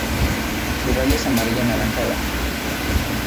Su raya es amarillo anaranjada.